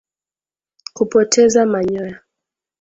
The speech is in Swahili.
Kupoteza manyoya